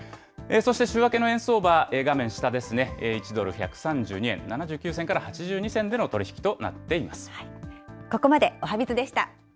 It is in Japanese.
そして週明けの円相場、画面下ですね、１ドル１３２円７９銭から８２銭での取り引きとなっています。